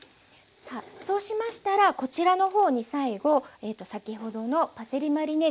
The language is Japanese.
さあそうしましたらこちらの方に最後先ほどのパセリマリネ